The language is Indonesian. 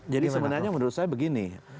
jadi sebenarnya menurut saya begini